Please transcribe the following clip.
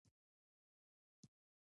ورزش کول د ناروغیو مخه نیسي.